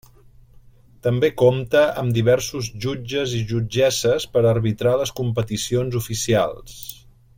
També compta amb diversos jutges i jutgesses per arbitrar les competicions oficials.